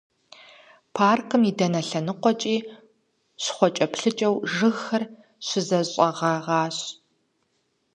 Паркым и дэнэ лъэныкъуэкӀи щхъуэкӀэплъыкӀэу жыгхэр щызэщӀэгъэгъащ.